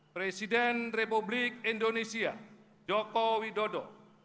presiden republik indonesia joko widodo